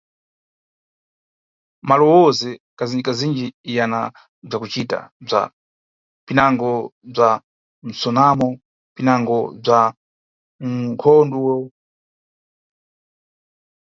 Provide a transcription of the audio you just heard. Malowozi kazinji-kazinji yana bzakucita bza, pinango bza msunamo pinango bza mkondwo.